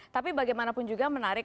tapi bagaimanapun juga menarik